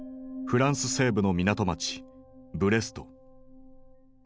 フランス西部の港街ブレスト。